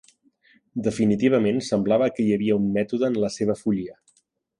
"Definitivament semblava que hi havia un mètode en la seva follia".